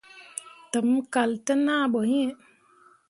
Tǝmmi kal te naa ɓoyin.